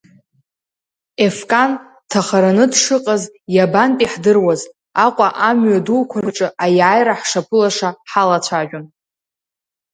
Ефкан, дҭахараны дшыҟаз иабантәи ҳдыруаз, Аҟәа амҩа дуқәа рҿы аиааира ҳшаԥылаша ҳалацәажәон.